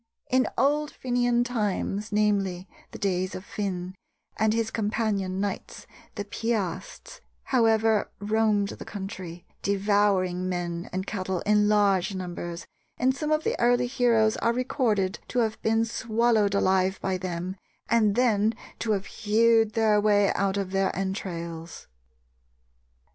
In old Fenian times, namely, the days of Finn and his companion knights, the Piasts, however, roamed the country, devouring men and women and cattle in large numbers, and some of the early heroes are recorded to have been swallowed alive by them and then to have hewed their way out of their entrails.